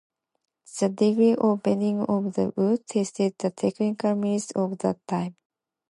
The degree of bending of the wood tested the technical limits of that time.